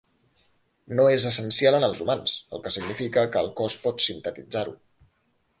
No és essencial en els humans, el que significa que el cos pot sintetitzar-ho.